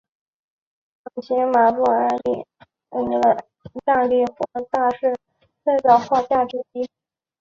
契马布埃意大利佛罗伦萨最早的画家之一。